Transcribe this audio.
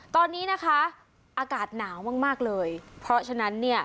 ตอนนี้นะคะอากาศหนาวมากมากเลยเพราะฉะนั้นเนี่ย